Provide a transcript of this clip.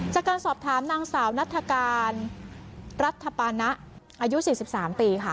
จากการสอบถามนางสาวนัตรการรัฐปรณะอายุสี่สิบสามปีค่ะ